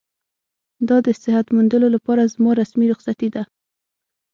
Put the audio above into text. دا د صحت موندلو لپاره زما رسمي رخصتي ده.